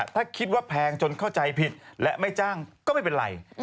ถ้าคิดว่าแพงจนเข้าใจผิดและไม่จ้างก็ไม่เป็นไร